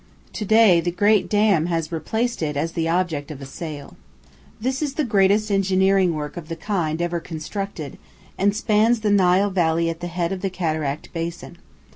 To day the great dam has replaced it as the object of a sail. This is the greatest engineering work of the kind ever constructed, and spans the Nile Valley at the head of the cataract basin.